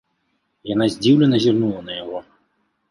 Яна здзіўлена зірнула на яго.